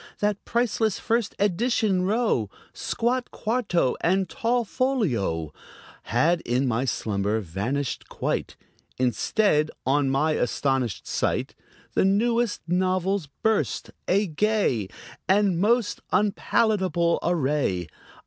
That priceless first edition row, Squat quarto and tall folio, Had, in my slumber, vanished quite; Instead, on my astonished sight The newest novels burst, a gay And most unpalatable array!